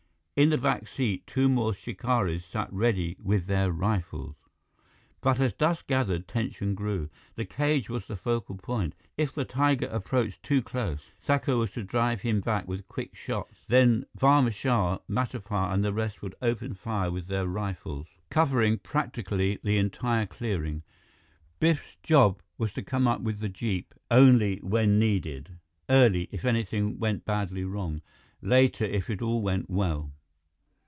In the back seat, two more shikaris sat ready with their rifles. But as dusk gathered, tension grew. The cage was the focal spot. If the tiger approached too close, Thakur was to drive him back with quick shots. Then Barma Shah, Matapar, and the rest would open fire with their rifles, covering practically the entire clearing. Biff's job was to come up with the jeep, only when needed early, if anything went badly wrong; later, if all went well.